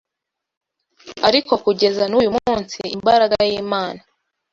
Ariko kugeza n’uyu munsi imbaraga y’Imana